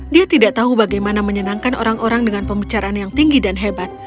dia tidak tahu bagaimana menyenangkan orang orang dengan pembicaraan yang tinggi dan hebat